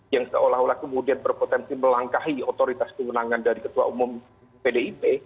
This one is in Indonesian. yang seolah olah kemudian berpotensi melangkahi otoritas kewenangan dari ketua umum pdip